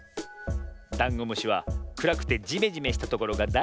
ダンゴムシはくらくてジメジメしたところがだいすき。